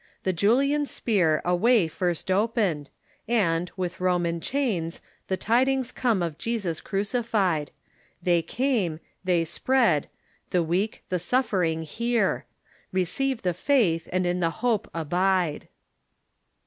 The Julian spear A way first opened ; and, with Roman chains, The tidings come of Jesus crucified ; Tliey came — they spread — the weak, the suffering, hear ; Receive the faith and in the hope abide."